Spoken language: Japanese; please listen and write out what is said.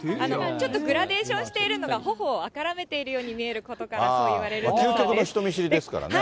ちょっとグラデーションしているのがほほを赤らめているように見えることから、そう言われるんだそうです。